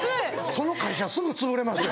その会社すぐつぶれますよ